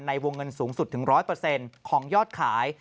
ในวงเงินสูงสุดถึง๑๐๐ของยอดขาย